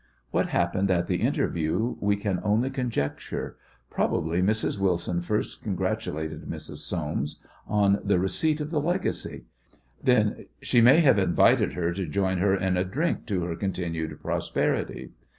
What happened at the interview we can only conjecture. Probably Mrs. Wilson first congratulated Mrs. Soames on the receipt of the legacy. Then she may have invited her to join her in a drink to her continued prosperity.